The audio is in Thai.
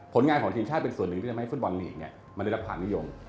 งานของทีมชาติเป็นส่วนหนึ่งที่ทำให้ฟุตบอลลีกมันได้รับความนิยม